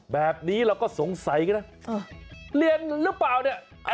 แบบนี้เราก็สงสัยกันนะเรียนหรือเปล่าเนี่ย